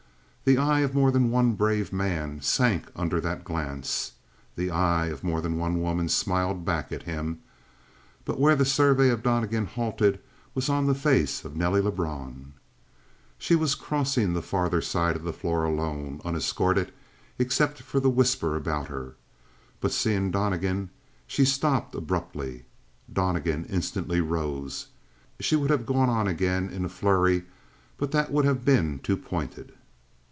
The eye of more than one brave man sank under that glance; the eye of more than one woman smiled back at him; but where the survey of Donnegan halted was on the face of Nelly Lebrun. She was crossing the farther side of the floor alone, unescorted except for the whisper about her, but seeing Donnegan she stopped abruptly. Donnegan instantly rose. She would have gone on again in a flurry; but that would have been too pointed.